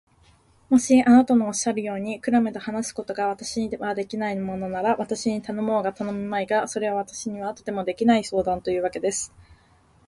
もしあなたのおっしゃるように、クラムと話すことが私にはできないものなら、私に頼もうが頼むまいが、それは私にはとてもできない相談というわけです。